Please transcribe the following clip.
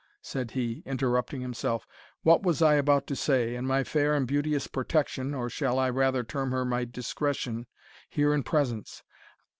said he, interrupting himself; "what was I about to say, and my fair and beauteous Protection, or shall I rather term her my Discretion, here in presence!